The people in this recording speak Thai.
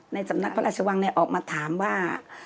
สำนักพระราชวังออกมาถามว่า